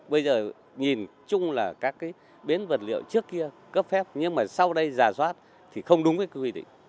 bây giờ nhìn chung là các cái bến vật liệu trước kia cấp phép nhưng mà sau đây giả soát thì không đúng với quy định